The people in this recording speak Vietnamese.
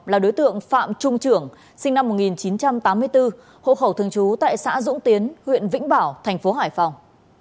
là đối tượng phạm trung trưởng sinh năm một nghìn chín trăm tám mươi bốn hộ khẩu thường trú tại xã dũng tiến huyện vĩnh bảo thành phố hải phòng